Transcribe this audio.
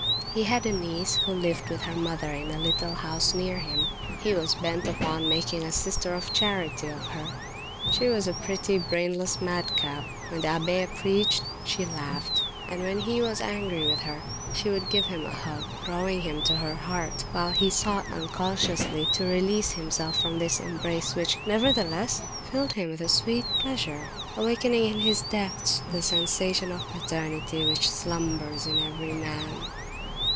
He had a niece who lived with her mother in a little house near him. He was bent upon making a sister of charity of her. She was a pretty, brainless madcap. When the abbe preached she laughed, and when he was angry with her she would give him a hug, drawing him to her heart, while he sought unconsciously to release himself from this embrace which nevertheless filled him with a sweet pleasure, awakening in his depths the sensation of paternity which slumbers in every man.